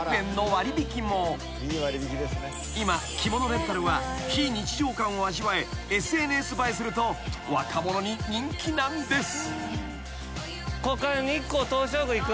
［今着物レンタルは非日常感を味わえＳＮＳ映えすると若者に人気なんです］